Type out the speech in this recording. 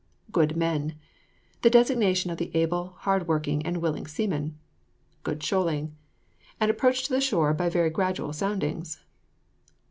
GOOD MEN. The designation of the able, hard working, and willing seamen. GOOD SHOALING. An approach to the shore by very gradual soundings.